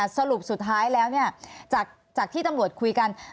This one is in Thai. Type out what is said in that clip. สรุปสุดท้ายแล้วจากที่ตำรวจคุยกัน